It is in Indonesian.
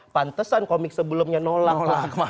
pantesan komik sebelumnya nolak